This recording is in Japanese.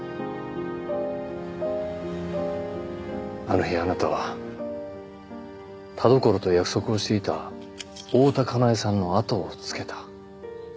あの日あなたは田所と約束をしていた大多香苗さんのあとをつけた。